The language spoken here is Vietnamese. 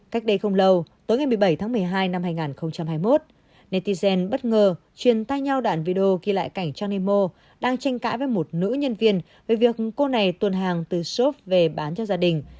cách đây không lâu tối ngày một mươi bảy tháng một mươi hai năm hai nghìn hai mươi một netigen bất ngờ truyền tay nhau đàn video ghi lại cảnh trang nemo đang tranh cãi với một nữ nhân viên về việc cô này tuần hàng từ shop về bán cho gia đình